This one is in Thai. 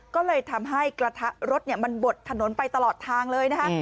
ก็เลยทำให้กระทะรถมันบดถนนไปตลอดทางเลยนะคะ